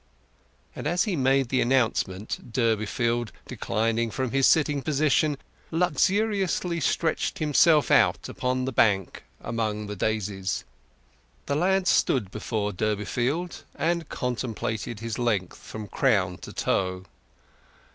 And as he made the announcement, Durbeyfield, declining from his sitting position, luxuriously stretched himself out upon the bank among the daisies. The lad stood before Durbeyfield, and contemplated his length from crown to toe.